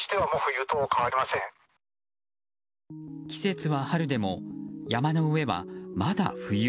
季節は春でも山の上はまだ冬。